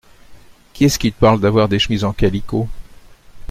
Qui est-ce qui te parle d’avoir des chemises en calicot ?